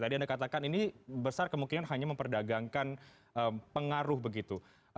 tadi anda katakan ini besar kemungkinan hanya memperdagangkan pengaruh begitu